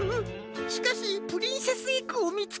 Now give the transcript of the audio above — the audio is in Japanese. しかしプリンセスエッグをみつけませんと。